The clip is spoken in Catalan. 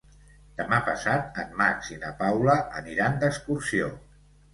Demà passat en Max i na Paula aniran d'excursió.